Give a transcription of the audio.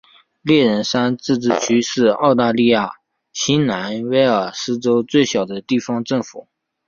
猎人山自治市是澳大利亚新南威尔斯州最小的地方政府。